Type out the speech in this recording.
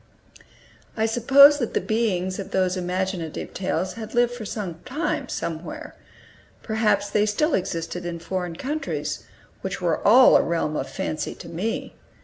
I supposed that the beings of those imaginative tales had lived some time, somewhere; perhaps they still existed in foreign countries, which were all a realm of fancy to me.